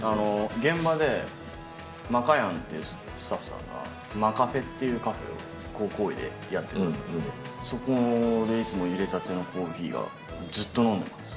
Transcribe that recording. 現場でまかやんっていうスタッフさんが、マカフェっていうカフェをご厚意でやっていて、そこでいつもいれたてのコーヒーを、ずっと飲んでました。